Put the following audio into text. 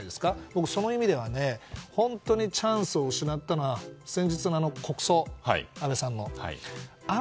僕、その意味では本当にチャンスを失ったのは先日の安倍さんの国葬。